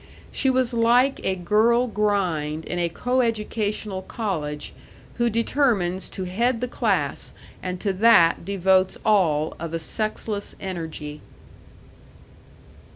She was like a girl grind in a coeducational college who determines to head the class and to that devotes all of a sexless energy.